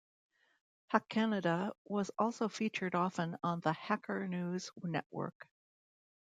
Hackcanada was also featured often on the Hacker News Network.